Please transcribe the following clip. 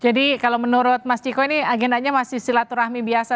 jadi kalau menurut mas ciko ini agendanya masih silaturahmi biasa